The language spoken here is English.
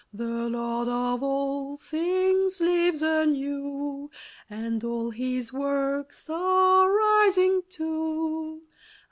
The Lord of all things lives anew, And all His works are rising too.